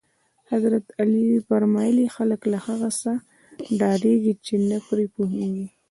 حضرت علی فرمایل: خلک له هغه څه ډارېږي چې نه پرې پوهېږي.